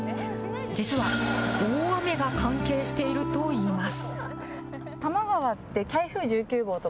実は大雨が関係しているといいます。